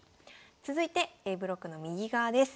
続いてＡブロックの右側です。